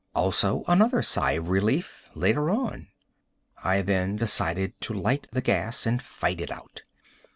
Also another sigh of relief later on. I then decided to light the gas and fight it out.